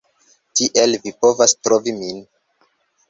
Tiel vi povas trovi min